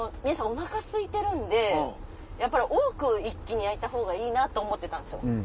お腹すいてるんでやっぱり多く一気に焼いたほうがいいなと思ってたんですよ。